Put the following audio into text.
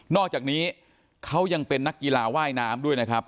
อกจากนี้เขายังเป็นนักกีฬาว่ายน้ำด้วยนะครับ